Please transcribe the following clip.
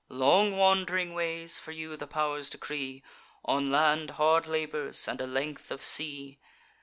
Long wand'ring ways for you the pow'rs decree; On land hard labours, and a length of sea.